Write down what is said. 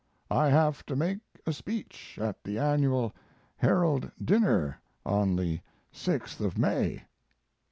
I have to make a speech at the annual Herald dinner on the 6th of May.